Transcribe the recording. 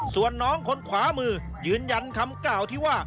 ส่วนน้องคนขวามือยืนยันคำกล่าวที่ว่า